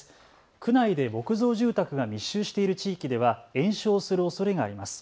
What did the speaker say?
区内で木造住宅が密集している地域では延焼するおそれがあります。